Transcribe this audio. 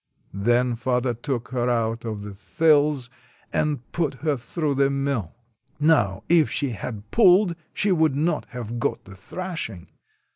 Then father took her out of the thills and put her through the mill. Now, if she had pulled, she would not have got the thrashing.